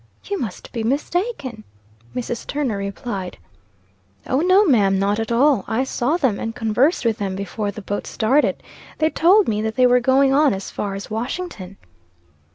"You must be mistaken," Mrs. Turner replied. "O no, ma'am, not at all. I saw them, and conversed with them before the boat started. They told me that they were going on as far as Washington."